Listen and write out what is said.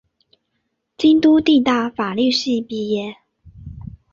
京都帝大法律系毕业。